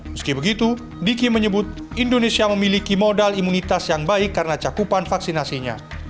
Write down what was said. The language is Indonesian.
meski begitu diki menyebut indonesia memiliki modal imunitas yang baik karena cakupan vaksinasinya